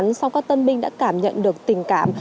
nhưng sau các tân binh đã cảm nhận được tình cảm